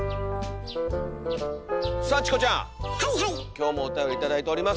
今日もおたより頂いております。